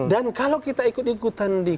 dan kalau kita ikut ikutan di